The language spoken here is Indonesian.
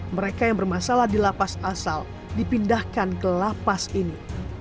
mereka yang bermasalah di lapas asal dipindahkan ke lapas ini